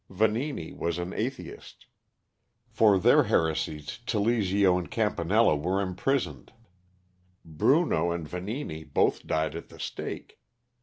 Vanini was an Atheist. For their heresies Telesio and Oampanella were imprisoned; Bruno and Vanini both died at the stake.